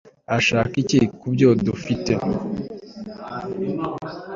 urashaka iki kubyo dufite